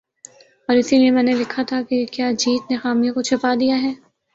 اور اسی لیے میں نے لکھا تھا کہ "کیا جیت نے خامیوں کو چھپا دیا ہے ۔